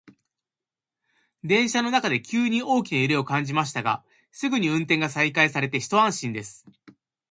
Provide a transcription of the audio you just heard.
電車の中で急に大きな揺れを感じましたが、すぐに運転が再開されて一安心です。